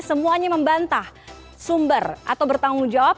semuanya membantah sumber atau bertanggung jawab